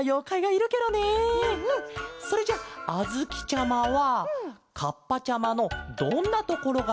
それじゃあづきちゃまはカッパちゃまのどんなところがすきケロ？